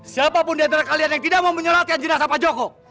siapa pun di antara kalian yang tidak mau menyolatkan jenazah pak joko